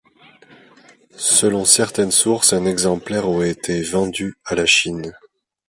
Selon certaines sources un exemplaire aurait été vendu à la Chine.